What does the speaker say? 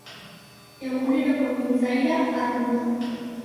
Eguneroko mintzaira arrunta.